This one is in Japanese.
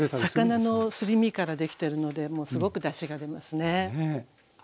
魚のすり身からできてるのですごくだしが出ますね。